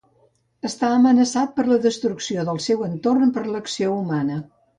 Està amenaçat per la destrucció del seu entorn per l'acció humana.